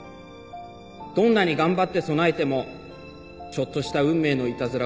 どんなに頑張って備えてもちょっとした運命のいたずらが生死を分ける事もある。